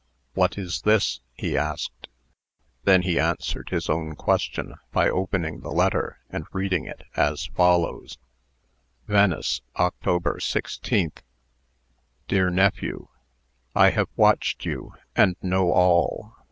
"What is this?" he asked. Then he answered his own question by opening the letter, and reading it, as follows: Venice, Oct. 16, . Dear Nephew: I have watched you, and know all.